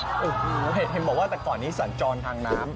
โอ้โหเห็นบอกว่าแต่ก่อนนี้สัญจรทางน้ำ